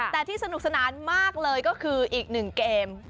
แต่ที่สนุกสนานมากเลยก็คืออีกหนึ่งเกม